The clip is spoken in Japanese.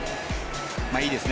いいですね。